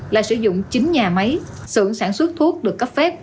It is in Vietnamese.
là sử dụng chín nhà máy sưởng sản xuất thuốc được cấp phép